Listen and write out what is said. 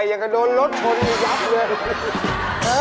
บ้ายังจะเดินรถชนภารกิจอย่างละเลยนะ